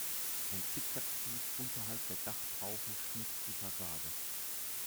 Ein Zick-Zack-Fries unterhalb der Dachtraufe schmückt die Fassade.